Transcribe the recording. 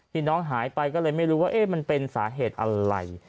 น้องหายไปก็เลยไม่รู้ว่ามันเป็นสาเหตุอะไร